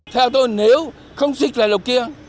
theo tôi nếu không xích lại lầu kia